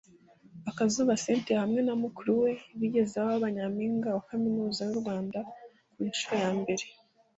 Akazuba Cynthia hamwe na mukuru we bigeze kuba nyampinga wa Kaminuza y’u Rwanda ku nshuro ya mbere